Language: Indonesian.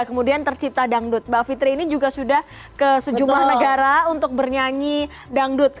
kemudian tercipta dangdut mbak fitri ini juga sudah ke sejumlah negara untuk bernyanyi dangdut